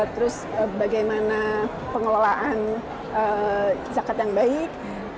terus bagaimana pengelolaan zakat yang baik